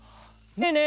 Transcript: ねえねえ